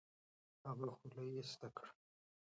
هغه خولۍ ایسته کړه.